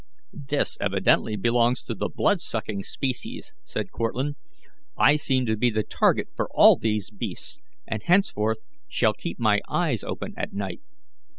"This evidently belongs to the blood sucking species," said Cortlandt. "I seem to be the target for all these beasts, and henceforth shall keep my eyes open at night."